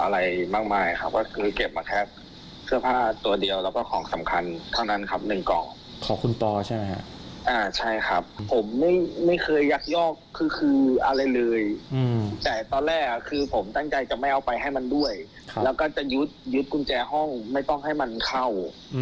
แล้วก็จะยึดกุญแจห้องไม่ต้องให้มันเข้า